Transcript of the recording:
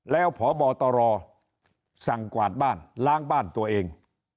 แล้วพบตรสั่งกวาดบ้านล้างบ้านตัวเอง